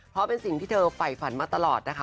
เพราะเป็นสิ่งที่เธอไฝฝันมาตลอดนะคะ